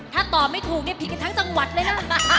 ถ้าตอบไม่ถูกเนี่ยผิดกันทั้งจังหวัดเลยนะ